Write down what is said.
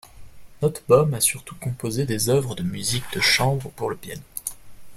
Nottebohm a surtout composé des œuvres de musique de chambre ou pour le piano.